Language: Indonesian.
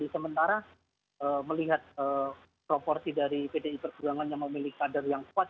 sementara melihat proporsi dari pdi perjuangan yang memilih kader yang kuat